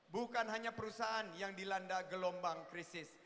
bukan hanya perusahaan yang dilanda gelombang krisis